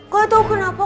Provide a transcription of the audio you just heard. gak tau kenapa